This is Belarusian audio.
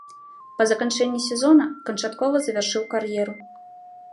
Па заканчэнні сезона канчаткова завяршыў кар'еру.